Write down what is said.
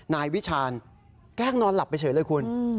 นายวิชาญแกล้งนอนหลับไปเฉยเลยคุณ